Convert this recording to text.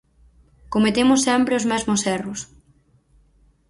Cometemos sempre os mesmos erros.